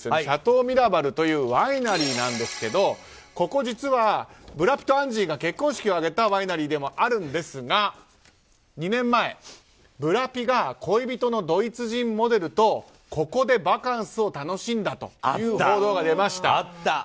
シャトー・ミラバルというワイナリーなんですけどここ実は、ブラピとアンジーが結婚式を挙げたワイナリーでもあるんですが２年前ブラピが恋人のドイツ人モデルとここでバカンスを楽しんだという報道が出ました。